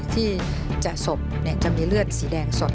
ที่จะศพจะมีเลือดสีแดงสด